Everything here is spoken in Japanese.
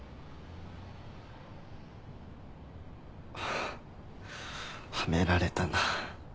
あっはめられたな。